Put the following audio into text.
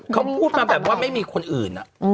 เขาพูดมาแบบว่าไม่มีคนอื่น